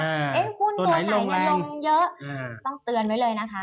หุ้นตัวไหนเนี่ยลงเยอะต้องเตือนไว้เลยนะคะ